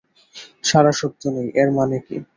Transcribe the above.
সাড়া শব্দ নেই এর মানে কি?